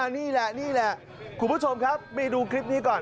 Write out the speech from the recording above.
นี่แหละนี่แหละคุณผู้ชมครับไปดูคลิปนี้ก่อน